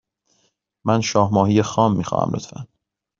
من شاه ماهی خام می خواهم، لطفا.